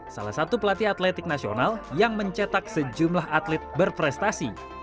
salah satu pelatih atletik nasional yang mencetak sejumlah atlet berprestasi